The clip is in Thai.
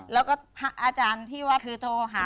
แล้วก็พระอาจารย์ที่ว่าคือโทรหา